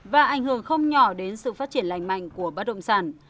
và ảnh hưởng không nhỏ đến sự phát triển lành mạnh của bất động sản